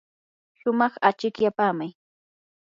shumaq achikyapaamay.